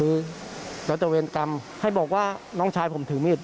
รัตเวรกรรมให้บอกว่าน้องชายผมถือมีด